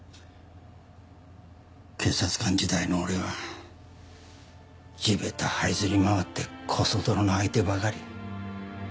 警察官時代の俺は地べた這いずり回ってコソ泥の相手ばかり。